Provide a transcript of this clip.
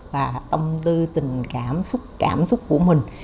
và tâm tư tình cảm cảm xúc của mình